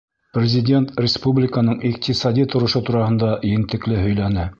Президент республиканың иҡтисади торошо тураһында ентекле һөйләне.